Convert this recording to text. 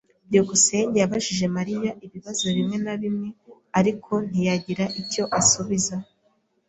byukusenge yabajije Mariya ibibazo bimwe na bimwe, ariko ntiyagira icyo asubiza.